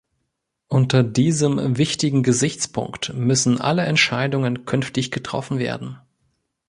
Unter diesem wichtigen Gesichtspunkt müssen alle Entscheidungen künftig getroffen werden.